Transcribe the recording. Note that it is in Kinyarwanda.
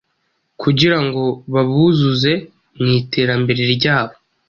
kugira ngo babuzuze mu iterambere ryabo.